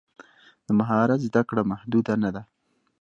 د مهارت زده کړه محدود نه ده.